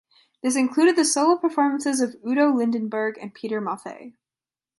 This included the solo performances of Udo Lindenberg and Peter Maffay.